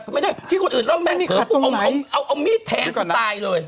ไม่ใช่ที่คนอื่นร่วมแม่งเขาก็เอามีดแทนก็ตายเลย